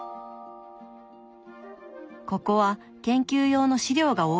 ここは研究用の資料が多いそうです。